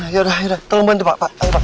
yaudah yaudah tolong bantu pak